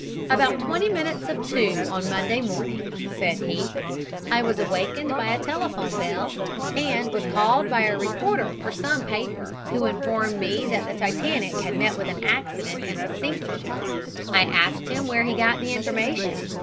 "About twenty minutes of two on Monday morning," said he, "I was awakened by a telephone bell, and was called by a reporter for some paper who informed me that the Titanic had met with an accident and was sinking. I asked him where he got the information.